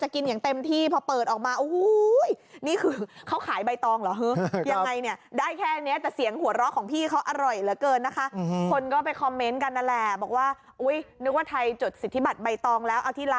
กินอย่างเต็มที่เพราะเปิดออกมาววววนี่คือเขาขายใบตองหรอ